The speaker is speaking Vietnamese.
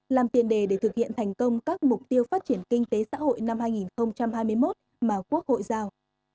làm tiền đề để thực hiện thành công các mục tiêu phát triển kinh tế xã hội năm hai nghìn hai mươi một mà quốc hội giao